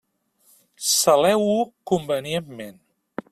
Saleu-ho convenientment.